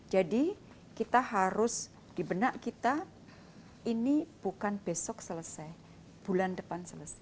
jadi kita harus di benak kita ini bukan besok selesai bulan depan selesai